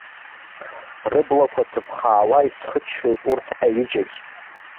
Рыблақәа ҭыԥхаауа исхыччоит урҭ аҩыџьагь.